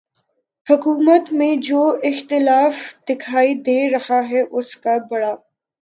حکومت میں جو اختلاف دکھائی دے رہا ہے اس کا بڑا